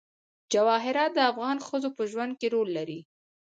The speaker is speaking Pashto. جواهرات د افغان ښځو په ژوند کې رول لري.